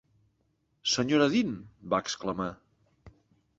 'Sra. Dean!' va exclamar.